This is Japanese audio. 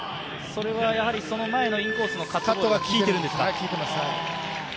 それはその前のインコースのカットが効いているんですか。